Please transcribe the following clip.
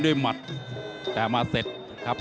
สูง๑๗๙เซนติเมตรครับ